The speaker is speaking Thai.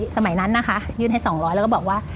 สมัยนั้นนะคะยื่นให้๒๐๐แล้วก็บอกว่า